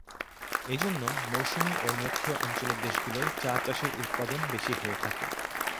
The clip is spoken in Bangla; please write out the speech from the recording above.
এজন্য মৌসুমী ও নিরক্ষীয় অঞ্চলের দেশগুলোয় চা চাষের উৎপাদন বেশি হয়ে থাকে।